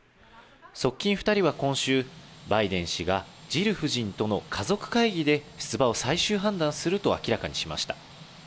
側近２人は今週、バイデン氏がジル夫人との家族会議で出馬を最終判断すると明らかにしました。